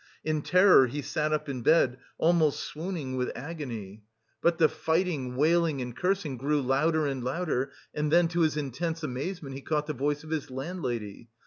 In terror he sat up in bed, almost swooning with agony. But the fighting, wailing and cursing grew louder and louder. And then to his intense amazement he caught the voice of his landlady.